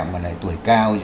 mà lại tuổi cao